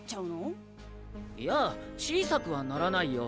いや小さくはならないよ。